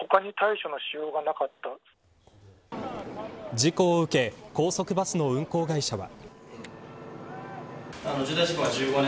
事故を受け高速バスの運行会社は。